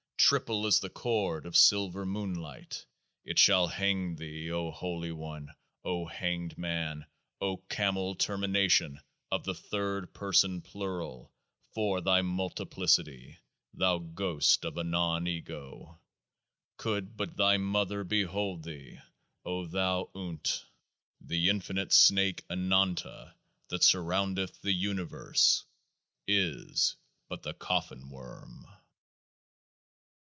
Triple is the cord of silver moonlight ; it shall hang thee, O Holy One, O Hanged Man, O Camel Termination of the third person plural for thy multiplicity, thou Ghost of a Non Ego ! Could but Thy mother behold thee, O thou UNT !37 The Infinite Snake Ananta that surroundeth the Universe is but the Coffin Worm